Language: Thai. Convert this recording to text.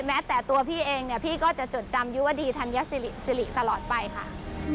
แม้แต่ตัวพี่เองเนี่ยพี่ก็จะจดจำยุวดีธัญสิริตลอดไปค่ะ